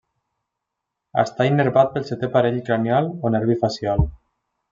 Està innervat pel setè parell cranial o nervi facial.